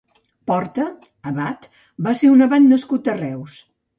Porta (abat) va ser un abat nascut a Reus.